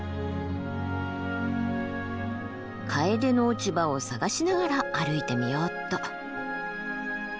カエデの落ち葉を探しながら歩いてみようっと。